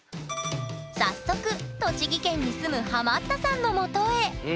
早速栃木県に住むハマったさんの元へ！